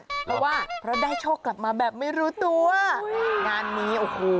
เพราะว่าเพราะได้โชคกลับมาแบบไม่รู้ตัวงานนี้โอ้โห